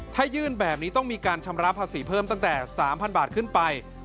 ถ้ายื่นแบบนี้ต้องมีการชำระภาษีเพิ่มตั้งแต่๓๐๐บาทขึ้นไป